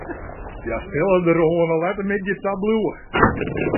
Hja sille der oan 'e lette middei ta bliuwe.